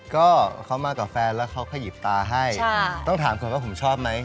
ก็เขามากับแฟนแล้วเขาขยิบตาให้ต้องถามก่อนว่าผมชอบไหม